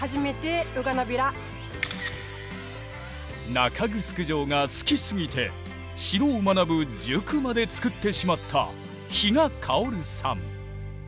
中城城が好きすぎて城を学ぶ塾まで作ってしまった比嘉薫さん。